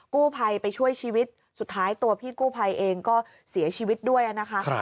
กู้ภัยไปช่วยชีวิตสุดท้ายตัวพี่กู้ภัยเองก็เสียชีวิตด้วยนะคะ